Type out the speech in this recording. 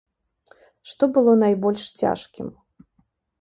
Што было найбольш цяжкім?